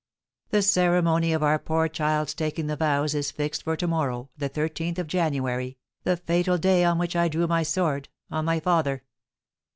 The ceremony of our poor child's taking the vows is fixed for to morrow, the thirteenth of January, the fatal day on which I drew my sword on my father!